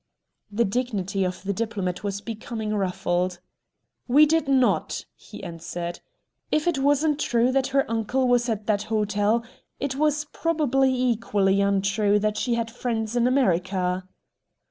The dignity of the diplomat was becoming ruffled. "We did not!" he answered. "If it wasn't true that her uncle was at that hotel, it was probably equally untrue that she had friends in America."